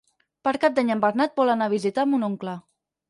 Per Cap d'Any en Bernat vol anar a visitar mon oncle.